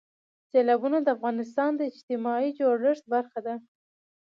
سیلابونه د افغانستان د اجتماعي جوړښت برخه ده.